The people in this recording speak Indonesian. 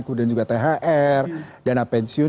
kemudian juga thr dana pensiun